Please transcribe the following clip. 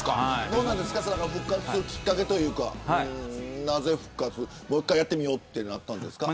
どうなんですか復活するきっかけというかなぜ復活、もう一回やってみようとなったんですか